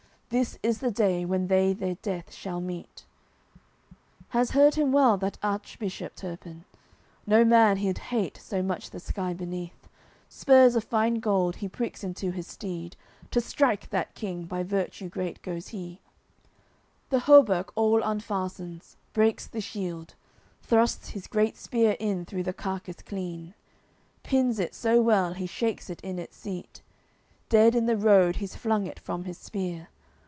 This is the day when they their death shall meet." Has heard him well that Archbishop Turpin, No man he'ld hate so much the sky beneath; Spurs of fine gold he pricks into his steed, To strike that king by virtue great goes he, The hauberk all unfastens, breaks the shield, Thrusts his great spear in through the carcass clean, Pins it so well he shakes it in its seat, Dead in the road he's flung it from his spear.